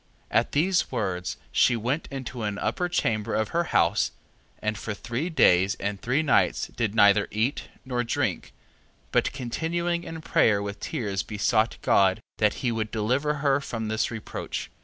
At these words, she went into an upper chamber of her house: and for three days and three nights did neither eat nor drink: 3:11. But continuing in prayer with tears besought God, that he would deliver her from this reproach.